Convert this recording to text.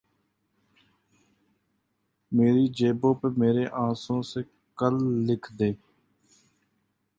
مری جبیں پہ مرے آنسوؤں سے کل لکھ دے